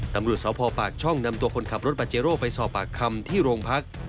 ตำรวจสพปากช่องนำตัวคนขับรถปาเจโร่ไปสอบปากคำที่โรงพัก